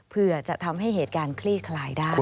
เพื่อจะทำให้เหตุการณ์คลี่คลายได้